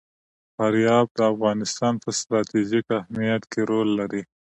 فاریاب د افغانستان په ستراتیژیک اهمیت کې رول لري.